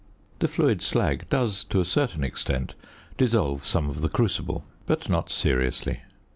The fluid slag does to a certain extent dissolve some of the crucible, but not seriously.